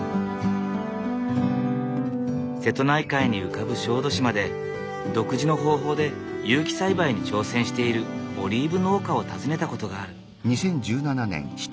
瀬戸内海に浮かぶ小豆島で独自の方法で有機栽培に挑戦しているオリーブ農家を訪ねたことがある。